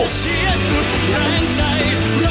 เพื่อคนไทย